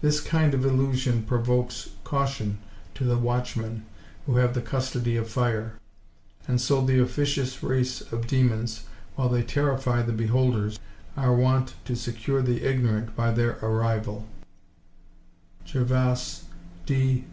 This kind of illusion provokes caution to the watchmen who have the custody of fire, and so the officious race of demons, while they terrify the beholders, are wont to secure the ignorant by their arrival (Gervase, D.